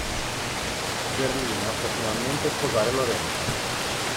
Zerlina può finalmente sposare Lorenzo.